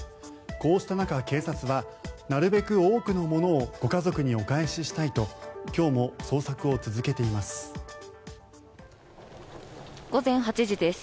こうした中、警察はなるべく多くのものをご家族にお返ししたいと今日も捜索を続けています。